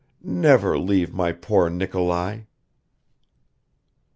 Never leave my poor Nikolai!"